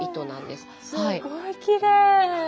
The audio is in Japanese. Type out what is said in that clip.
すっごいきれい。